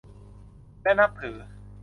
และนับถือ